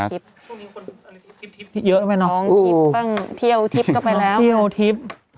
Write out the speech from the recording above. เยอะไปเนอะเที่ยวทิศก็ไปแล้วที่ที่